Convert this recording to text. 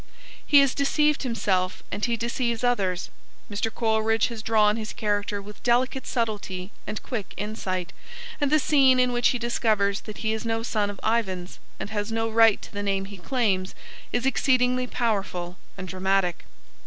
He is deceived himself and he deceives others. Mr. Coleridge has drawn his character with delicate subtlety and quick insight, and the scene in which he discovers that he is no son of Ivan's and has no right to the name he claims, is exceedingly powerful and dramatic.